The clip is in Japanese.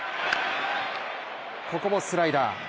ここもスライダー。